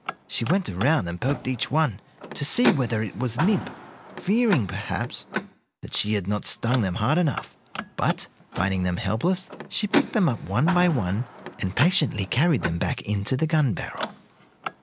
She went around and poked each one to see whether it was limp, fearing, perhaps, that she had not stung them hard enough; but, finding them helpless, she picked them up one by one and patiently carried them back into the gun barrel.